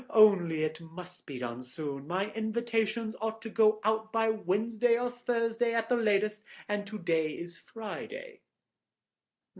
Only it must be done soon. My invitations ought to go out by Wednesday or Thursday at the latest, and to day is Friday.